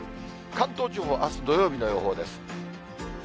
関東地方、あす土曜日の予報です。